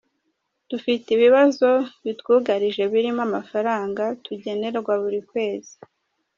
Dufite ibibazo bitwugarije birimo amafaranga tugenerwa buri kwezi.